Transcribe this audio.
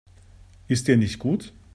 Ist dir nicht gut?